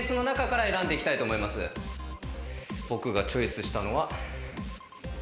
僕がチョイスしたのは。